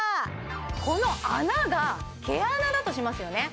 この穴が毛穴だとしますよね